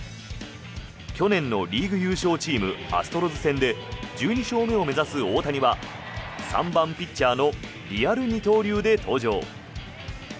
去年のリーグ優勝チームアストロズ戦で１２勝目を目指す大谷は３番ピッチャーのリアル二刀流で登場。